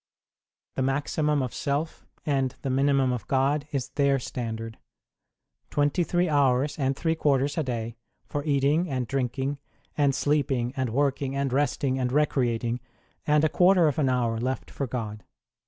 The maximum of self and the minimum of God is their standard. Twenty three hours and three quarters a day for eating and drinking and sleeping and working and resting and recreating, and a quarter of an hour left for God.